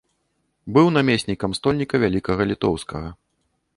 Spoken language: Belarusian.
Быў намеснікам стольніка вялікага літоўскага.